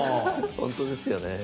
本当ですよね。